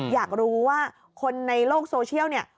อยากรู้ว่าคนในโลกโซเชียลเนี่ย